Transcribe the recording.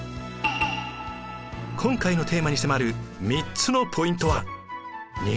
今回のテーマに迫る３つのポイントは。